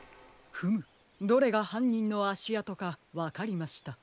フムどれがはんにんのあしあとかわかりました。